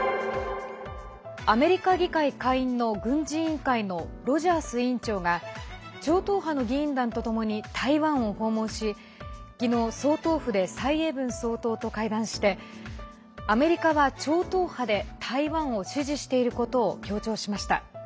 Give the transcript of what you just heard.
アメリカ議会下院の軍事委員会のロジャース委員長が超党派の議員団とともに台湾を訪問し昨日、総統府で蔡英文総統と会談してアメリカは超党派で台湾を支持していることを強調しました。